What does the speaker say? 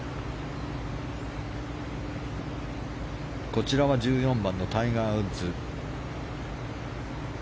こちらは１４番のタイガー・ウッズ。